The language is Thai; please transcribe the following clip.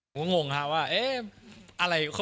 ผมก็งงค่ะว่าเอ๊ะอะไร